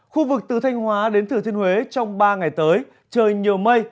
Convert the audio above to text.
khu vực từ thanh hóa đến thừa thiên huế trong ba ngày tới trời nhiều mây